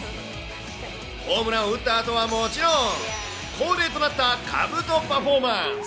ホームランを打ったあとはもちろん、恒例となったかぶとパフォーマンス。